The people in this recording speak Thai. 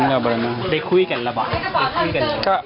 บ่ไดมาช่วงทางเมืองไรนะค่ะ